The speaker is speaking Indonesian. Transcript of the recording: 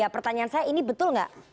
pertanyaan saya ini betul nggak